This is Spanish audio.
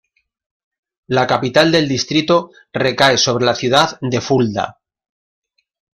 La capital del distrito recae sobre la ciudad de Fulda.